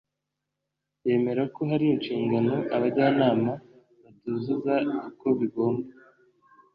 yemera ko hari inshingano abajyanama batuzuza uko bigomba